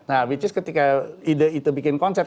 nah which is ketika ide itu bikin konsep